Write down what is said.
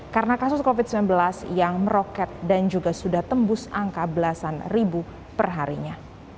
karena kasus covid sembilan belas yang meroket dan juga sudah tembus angka belasan ribu perharinya